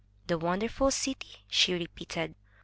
"The wonderful city?" she repeated.